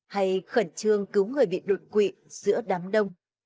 hay khẩn trương cứu người bị đột quỵ giữa đám đông